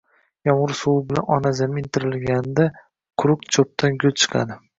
yomg‘ir suvi bilan ona zamin tirilganida quruq cho‘pdan gul chiqadi.